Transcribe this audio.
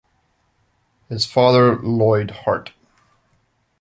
His father Lloyd Hart.